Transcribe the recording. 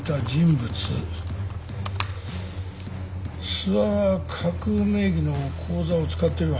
諏訪は架空名義の口座を使ってるはずだ。